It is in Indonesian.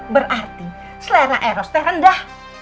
berarti selera erosnya rendah